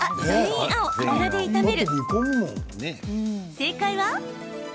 正解は。